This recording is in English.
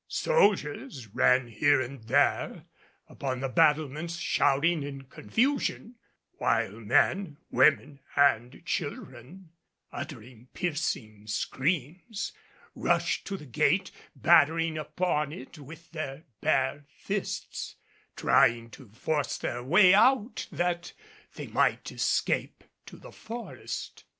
Soldiers ran here and there upon the battlements shouting in confusion; while men, women and children, uttering piercing screams, rushed to the gate, battering upon it with their bare fists, trying to force their way out that they might escape to the forest.